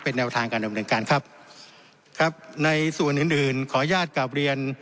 แนวทางการดำเนินการครับครับในส่วนอื่นอื่นขออนุญาตกลับเรียน